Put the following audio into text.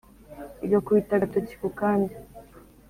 igakubita agatoki ku kandi!